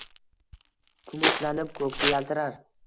Kumushlanib, ko’ksi yaltirar.